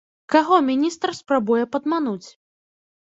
Каго міністр спрабуе падмануць?